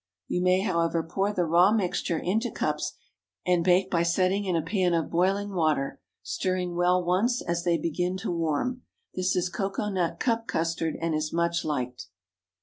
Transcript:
You may, however, pour the raw mixture into cups, and bake by setting in a pan of boiling water, stirring well once, as they begin to warm. This is cocoa nut cup custard, and is much liked.